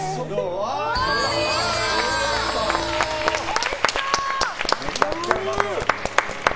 おいしそう。